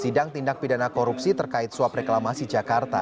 sidang tindak pidana korupsi terkait suap reklamasi jakarta